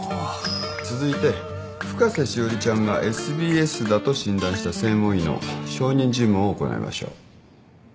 続いて深瀬詩織ちゃんがＳＢＳだと診断した専門医の証人尋問を行いましょう。